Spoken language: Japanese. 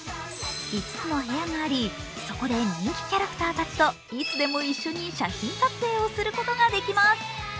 ５つの部屋があり、そこで人気キャラクターたちといつでも一緒に写真撮影をすることができます。